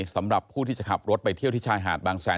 สำหรับผู้ที่จะขับรถไปเที่ยวที่ชายหาดบางแสน